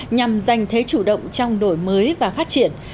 nhằm giành thế chủ động trong đổi mới và phát triển